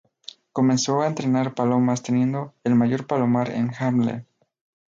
Comenzó a entrenar palomas, teniendo el mayor palomar en Harlem.